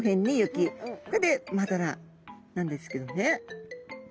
これで「真鱈」なんですけどね。